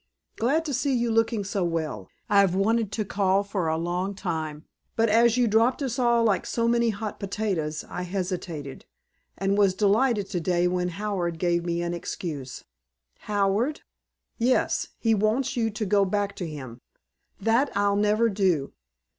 "Glad to see you looking so well. I've wanted to call for a long time, but as you dropped us all like so many hot potatoes, I hesitated, and was delighted today when Howard gave me an excuse." "Howard?" "Yes, he wants you to go back to him." "That I'll never do."